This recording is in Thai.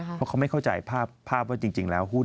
เพราะเขาไม่เข้าใจภาพว่าจริงแล้วหุ้น